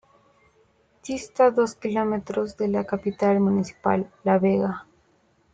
Dista dos kilómetros de la capital municipal, La Vega.